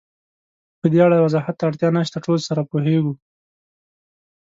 پدې اړه وضاحت ته اړتیا نشته، ټول سره پوهېږو.